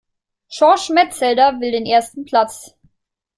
Schorsch Metzelder will den ersten Platz.